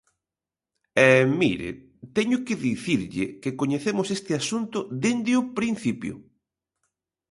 E, mire, teño que dicirlle que coñecemos este asunto dende o principio.